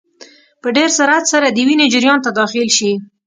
په ډېر سرعت سره د وینې جریان ته داخل شي.